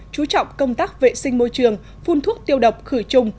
chú trọng công tác vệ sinh môi trường phun thuốc tiêu độc khử trùng